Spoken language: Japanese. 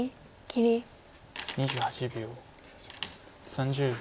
３０秒。